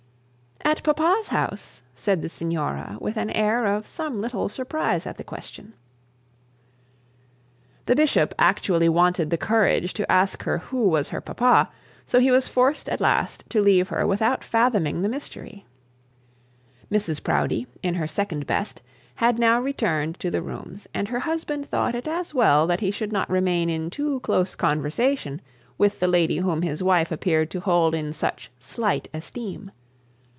'At papa's house,' said the signora, with an air of some little surprise at the question. The bishop actually wanted the courage to ask her who was her papa; so he was forced at last to leave her without fathoming her mystery. Mrs Proudie, in her second best, had now returned to the rooms, and her husband thought it as well that he should not remain in too close conversation with the lady whom his wife appeared to hold in such slight esteem.